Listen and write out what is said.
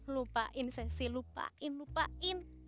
lupain cecil lupain lupain